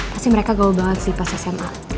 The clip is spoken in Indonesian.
pasti mereka gol banget sih pas sma